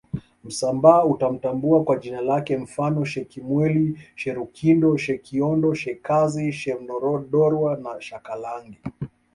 Msambaa utamtambua kwa jina lake mfano Shekimweli Sherukindo Shekiondo Shekazi Shemndorwa na shakalage